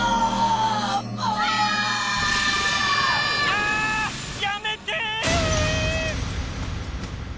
あやめて！